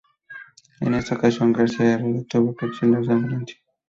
En esta ocasión, García-Herreros tuvo que exiliarse en Francia.